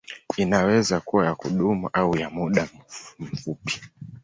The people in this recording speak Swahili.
Inaweza kuwa ya kudumu au ya muda mfupi.